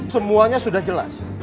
semuanya sudah jelas